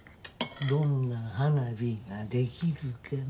どんな花火ができるかな。